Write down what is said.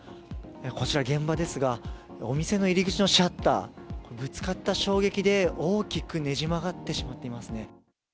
こちら、現場ですがお店の入り口のシャッターぶつかった衝撃で大きくねじ曲がってしまっていますね。